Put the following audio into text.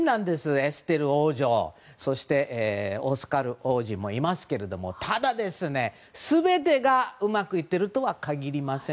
エステル王女、オスカル王子もいますけれどもただ、全てがうまくいっているとは限りません。